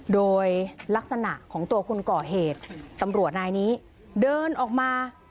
โดยลักษณะของตัวคนก่อเหตุตำรวจนายนี้เดินออกมา